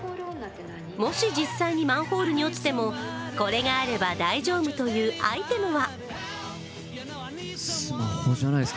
もし実際にマンホールに落ちても、これがあれば大丈夫というアイテムは？